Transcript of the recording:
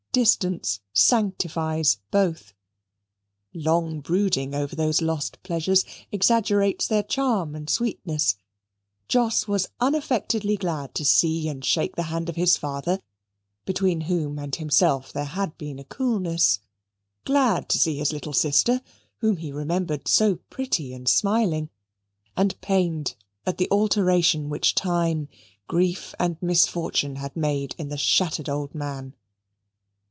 Distance sanctifies both. Long brooding over those lost pleasures exaggerates their charm and sweetness. Jos was unaffectedly glad to see and shake the hand of his father, between whom and himself there had been a coolness glad to see his little sister, whom he remembered so pretty and smiling, and pained at the alteration which time, grief, and misfortune had made in the shattered old man.